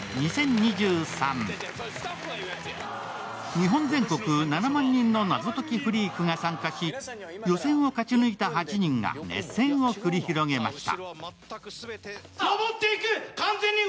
日本全国７万人の謎解きフリークが参加し、予選を勝ち抜いた８人が熱戦を繰り広げました。